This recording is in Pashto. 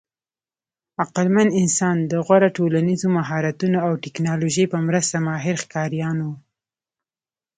عقلمن انسان د غوره ټولنیزو مهارتونو او ټېکنالوژۍ په مرسته ماهر ښکاریان وو.